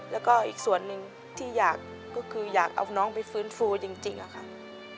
แล้วก็อีกส่วนหนึ่งที่อยากก็คืออยากเอาน้องไปฟื้นฟูจริงอะค่ะ